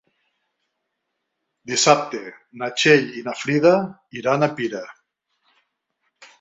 Dissabte na Txell i na Frida iran a Pira.